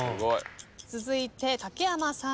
続いて竹山さん。